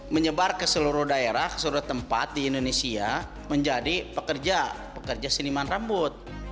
menyebar ke seluruh daerah ke seluruh tempat di indonesia menjadi pekerja pekerja siniman rambut